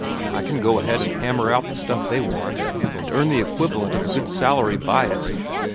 I can go ahead and hammer out the stuff they want, and earn the equivalent of a good salary by it.